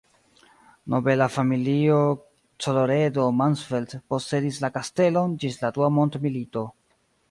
Nobela familio Colloredo-Mansfeld posedis la kastelon ĝis la dua mondmilito.